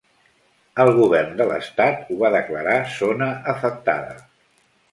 El Govern de l'Estat ho va declarar zona afectada.